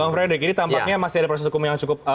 pak fredy jadi tampaknya masih ada proses hukum yang cukup